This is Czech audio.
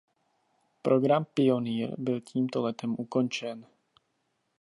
Program Pioneer byl tímto letem ukončen.